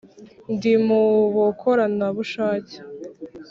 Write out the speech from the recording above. ndi mu bokorana bushake